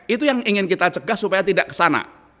itu yang ingin kita cegah supaya tidak ke sana